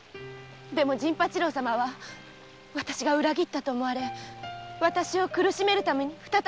でも陣八郎様は私が裏切ったと思われ私を苦しめるために小太郎を。